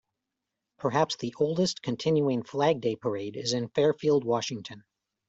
Perhaps the oldest continuing Flag Day parade is in Fairfield, Washington.